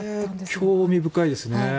これ、興味深いですね。